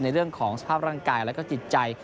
ในเรื่องของสภาพร่างกายและก็จิตใจ